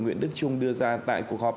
nguyễn đức trung đưa ra tại cuộc họp